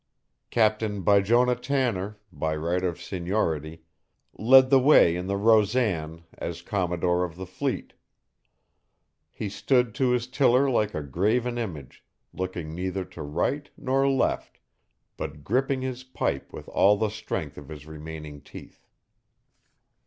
Captain Bijonah Tanner, by right of seniority, led the way in the Rosan as commodore of the fleet. He stood to his tiller like a graven image, looking neither to right nor left, but gripping his pipe with all the strength of his remaining teeth.